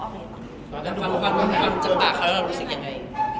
ฟังจากปากเขาแล้วเรารู้สึกยังไง